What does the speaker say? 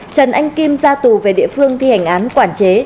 trần anh kim ra tù về địa phương thi hành án quản chế